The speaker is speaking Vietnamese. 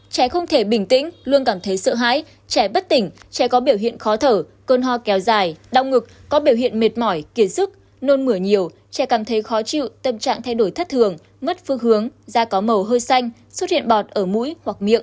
trẻ không thể bình tĩnh luôn cảm thấy sợ hãi trẻ bất tỉnh trẻ có biểu hiện khó thở cơn ho kéo dài đau ngực có biểu hiện mệt mỏi kiệt sức nôn mửa nhiều trẻ cảm thấy khó chịu tâm trạng thay đổi thất thường mất phương hướng da có màu hơi xanh xuất hiện bọt ở mũi hoặc miệng